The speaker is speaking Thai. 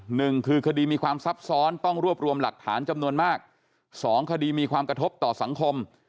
หนึ่งคือคดีมีความซับซ้อนต้องรวบรวมหลักฐานจำนวนมากสองคดีมีความกระทบต่อสังคม